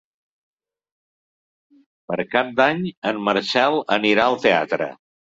Per Cap d'Any en Marcel anirà al teatre.